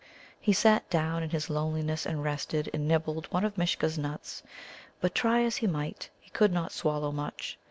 He sat down in his loneliness and rested, and nibbled one of Mishcha's nuts. But try as he might, he could not swallow much.